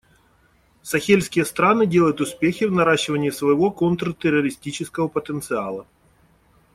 Сахельские страны делают успехи в наращивании своего контртеррористического потенциала.